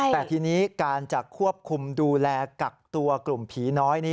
แต่ทีนี้การจะควบคุมดูแลกักตัวกลุ่มผีน้อยนี้